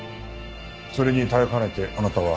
それに耐えかねてあなたは。